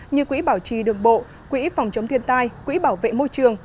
như quỹ bảo trì đường bộ quỹ phòng chống thiên tai quỹ bảo vệ môi trường